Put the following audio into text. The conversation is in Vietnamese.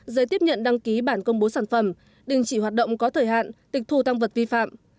giấy tiếp nhận đăng ký bản công bố sản phẩm đình chỉ hoạt động có thời hạn tịch thu tăng vật vi phạm